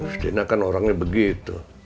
si tina kan orangnya begitu